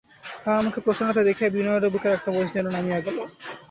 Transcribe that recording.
তাঁহার মুখে প্রসন্নতা দেখিয়া বিনয়েরও বুকের একটা বোঝা যেন নামিয়া গেল।